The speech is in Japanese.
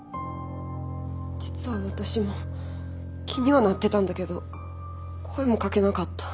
実は私も気にはなってたんだけど声も掛けなかった。